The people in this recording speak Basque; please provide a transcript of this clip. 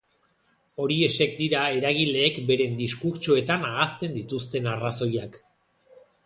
Horiexek dira eragileek beren diskurtsoetan ahazten dituzten arrazoiak.